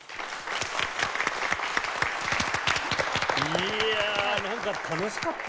いやなんか楽しかった！